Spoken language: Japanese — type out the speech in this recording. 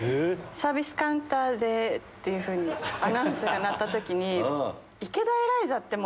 「サービスカウンターで」ってアナウンスが鳴った時に。